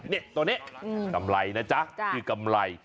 นี่ตัวนี้กำไรนะจ๊ะคือกำไร